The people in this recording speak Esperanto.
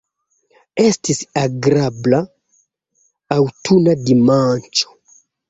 Estis agrabla aŭtuna dimanĉo.